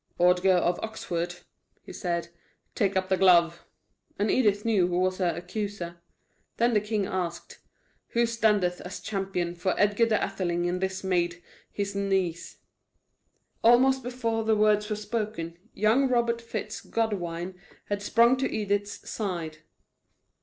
"Ordgar of Oxford," he said, "take up the glove!" and Edith knew who was her accuser. Then the King asked: "Who standeth as champion for Edgar the Atheling and this maid, his niece?" Almost before the words were spoken young Robert Fitz Godwine had sprung to Edith's side.